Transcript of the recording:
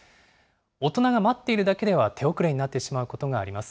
大人が待っているだけでは手遅れになってしまうことがあります。